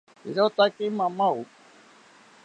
Irotaki mamao